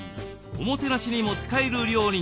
おもてなしにも使える料理に。